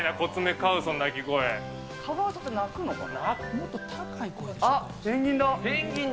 カワウソって鳴くのかな？